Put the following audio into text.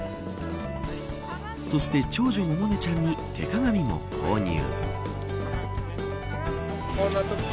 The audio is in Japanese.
そして長女、百音ちゃんに手鏡も購入。